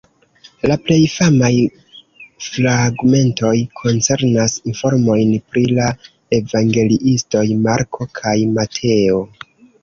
La plej famaj fragmentoj koncernas informojn pri la evangeliistoj Marko kaj Mateo.